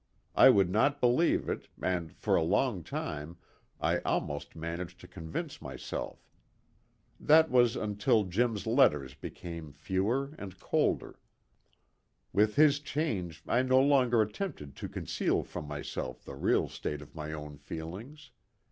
I would not believe it, and for a long time I almost managed to convince myself. That was until Jim's letters became fewer and colder. With his change I no longer attempted to conceal from myself the real state of my own feelings.